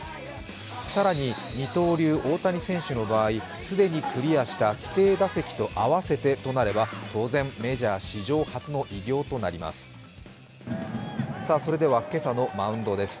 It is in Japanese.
更に二刀流・大谷選手の場合すでにクリアした規定打席と合わせての到達となれば当然、メジャー史上初の偉業となります。